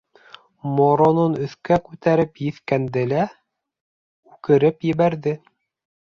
Моронон өҫкә күтәреп еҫкәнде лә, үкереп ебәрҙе.